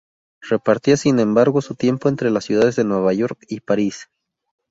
Repartía sin embargo su tiempo entre las ciudades de Nueva York y París.